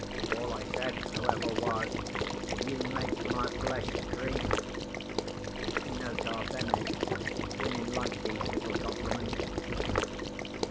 All I said, however, was, "You make my flesh creep." (Nota bene: Women like these little compliments.)